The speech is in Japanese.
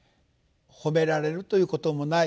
褒められるということもない。